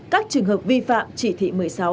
các trường hợp vi phạm chỉ thị một mươi sáu